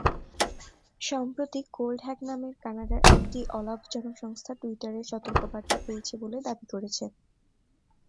সম্প্রতি কোল্ডহ্যাক নামের কানাডার একটি অলাভজনক সংস্থা টুইটারের সতর্কবার্তা পেয়েছে বলে দাবি করেছে।